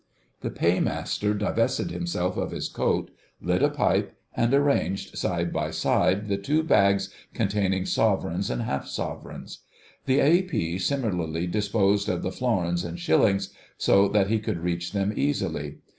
The Paymaster divested himself of his coat, lit a pipe, and arranged side by side the two bags containing sovereigns and half sovereigns. The A.P. similarly disposed of the florins and shillings, so that he could reach them easily.